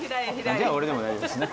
じゃあ俺でも大丈夫ですね。